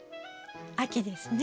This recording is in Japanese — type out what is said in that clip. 秋ですね。